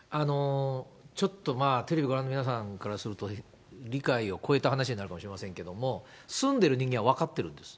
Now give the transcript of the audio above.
ちょっと、テレビご覧の皆さんからすると、理解を超えた話になるかもしれませんけれども、住んでる人間は分かってるんです。